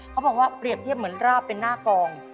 เขาบอกว่าเปรียบเทียบเหมือนราบเป็นหน้ากอง